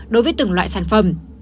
đối với từng loại sản phẩm